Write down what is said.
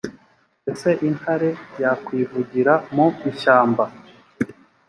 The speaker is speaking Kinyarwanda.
ese intare yakwivugira mu ishyamba?